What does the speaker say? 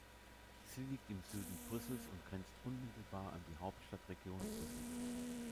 Sie liegt im Süden Brüssels und grenzt unmittelbar an die Hauptstadtregion Brüssel.